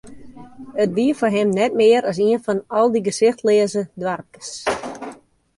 It wie foar him net mear as ien fan al dy gesichtleaze doarpkes.